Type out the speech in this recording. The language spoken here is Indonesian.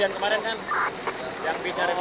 iya snk nya di kantor tapi ditilang